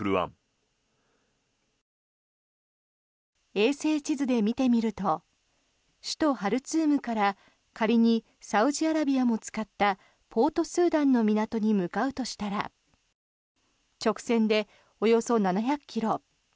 衛星地図で見てみると首都ハルツームから仮にサウジアラビアも使ったポート・スーダンの港に向かうとしたら直線で、およそ７００ｋｍ。